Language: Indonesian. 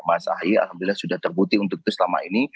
mas ahy alhamdulillah sudah terbukti untuk itu selama ini